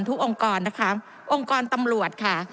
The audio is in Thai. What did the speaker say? องค์กรนะคะองค์กรตำรวจค่ะ